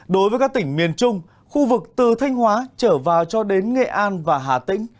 đối với các tỉnh miền trung khu vực từ thanh hóa trở vào cho đến nghệ an và hà tĩnh